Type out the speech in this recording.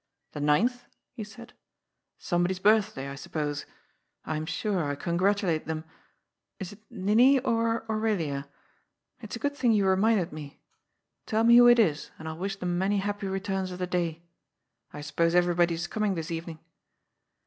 "The ninth?" he said. "Somebody's birthday, I suppose. I am sure I congratulate them. Is it Ninnie or Aurelia ? It's a good thing you reminded me. Tell me who it is, and I'll wish them many happy returns of the day. I suppose everybody is coming this evening?"